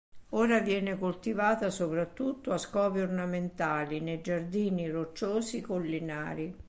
Ora viene coltivata soprattutto a scopi ornamentali nei giardini rocciosi collinari.